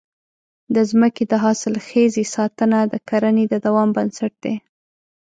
د ځمکې د حاصلخېزۍ ساتنه د کرنې د دوام بنسټ دی.